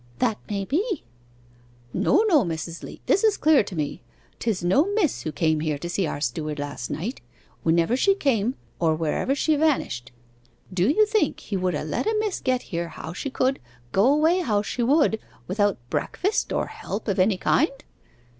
'That may be.' 'No, no, Mrs. Leat, this is clear to me. 'Tis no miss who came here to see our steward last night whenever she came or wherever she vanished. Do you think he would ha' let a miss get here how she could, go away how she would, without breakfast or help of any kind?